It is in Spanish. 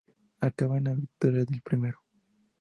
Acaba en la victoria del primero.